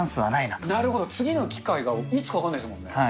なるほど、次の機会がいつか分かんないですもんね。